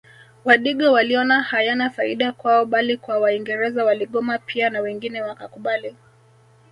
Wadigo waliona hayana faida kwao bali kwa waingereza waligoma pia na wengine wakakubali